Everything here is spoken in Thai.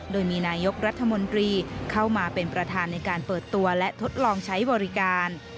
โดยมีนายกรัฐมนตรีเข้ามาเป็นประธานในการเปิดตัวและทดลองใช้บริการ